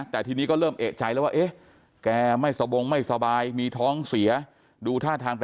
แต่ทีนี้ก็เริ่มเอกใจแล้วแกไม่สมงไม่สบายมีท้องเสียดู